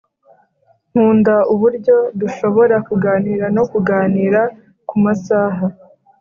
nkunda uburyo dushobora kuganira no kuganira kumasaha